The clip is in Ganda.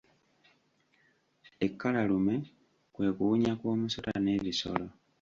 Ekkalalume kwe kuwunya kw'omusota n'ebisolo.